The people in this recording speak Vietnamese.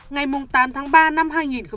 ngày tám tháng ba năm hai nghìn hai mươi